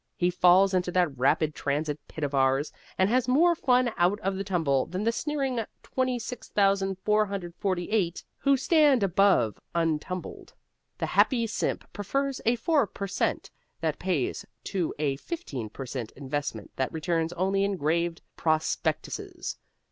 He falls into that Rapid Transit pit of ours and has more fun out of the tumble than the sneering 26,448 who stand above untumbled. The happy simp prefers a 4 per cent that pays to a 15 per cent investment that returns only engraved prospectuses.